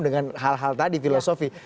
dengan hal hal tadi filosofi